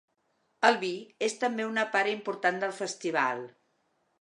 El vi és també una part important del festival.